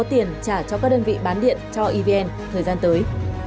tiền trả cho các đơn vị bán điện cho evn thời gian tới